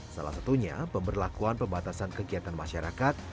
salah satunya pemberlakuan pembatasan kegiatan masyarakat